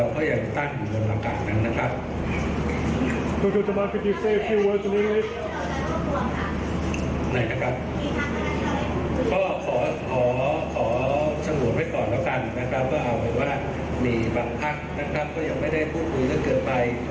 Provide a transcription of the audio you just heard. ก็ขอส่งค์พูดไว้ก่อนนะคะมีคนต่อมาก็ไม่ได้พูดพูดเกินไป